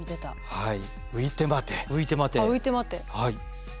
はい。